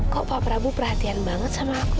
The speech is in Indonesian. kok pak prabu perhatian banget sama aku